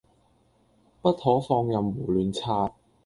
不可放任胡亂刷